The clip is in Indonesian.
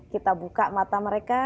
kita buka mata mereka